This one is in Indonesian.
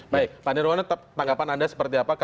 baik pak nirwana tanggapan anda seperti apa